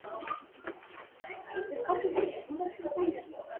Septimius Severus, after conquering Mesopotamia, introduced the same system there too.